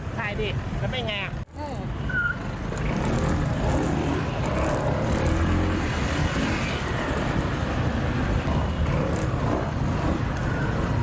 ถ่ายดิมันเป็นยังไงอ่ะ